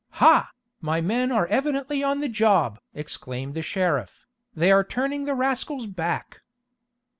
"Ha! My men are evidently on the job!" exclaimed the sheriff. "They are turning the rascals back!"